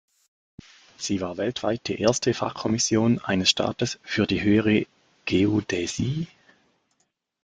Sie war weltweit die "erste" Fachkommission eines Staates für die Höhere Geodäsie.